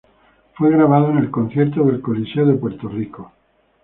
Fue grabado en el concierto del Coliseo de Puerto Rico.